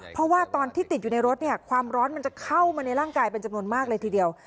เพราะว่าตอนที่ติดอยู่ในรถเนี่ยความร้อนมันจะเข้ามาในร่างกายเป็นจำนวนมากเลยทีเดียว